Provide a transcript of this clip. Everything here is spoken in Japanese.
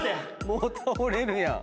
もう倒れるやん。